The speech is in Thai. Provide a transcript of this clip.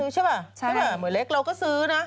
จริงถ้าเราเอยเล็กเราก็ซื้อนะเราก็ซื้อใช่ปะ